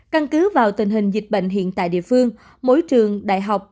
căn cứ vào tình hình dịch bệnh hiện tại địa phương mỗi trường đại học